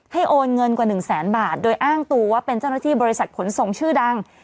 โอนเงินกว่าหนึ่งแสนบาทโดยอ้างตัวว่าเป็นเจ้าหน้าที่บริษัทขนส่งชื่อดัง